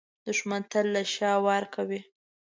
دښمن تل له شا وار کوي